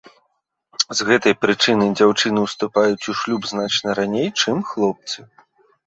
З гэтай прычыны дзяўчыны ўступаюць у шлюб значна раней, чым хлопцы.